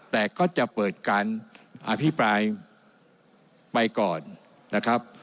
แต่ก็จะเปิดการอภิปรายไปก่อนนะครับ